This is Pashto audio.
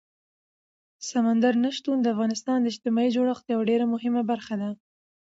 سمندر نه شتون د افغانستان د اجتماعي جوړښت یوه ډېره مهمه برخه ده.